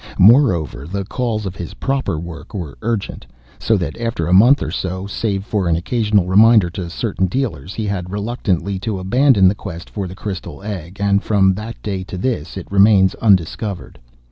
Moreover, the calls of his proper work were urgent. So that after a month or so, save for an occasional reminder to certain dealers, he had reluctantly to abandon the quest for the crystal egg, and from that day to this it remains undiscovered.